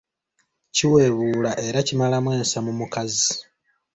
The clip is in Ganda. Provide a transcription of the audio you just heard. Kiwebuula era kimalamu ensa mu mukazi.